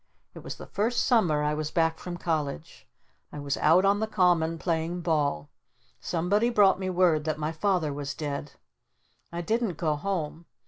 It was the first Summer I was back from College. I was out on the Common playing ball. Somebody brought me word that my Father was dead. I didn't go home.